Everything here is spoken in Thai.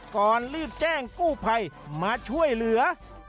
ก่อนรีบแจ้งกู้ภัยมาช่วยเหลือ